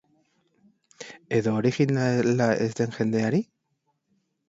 Edo originala ez den jendeari?